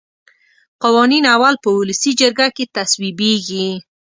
قوانین اول په ولسي جرګه کې تصویبیږي.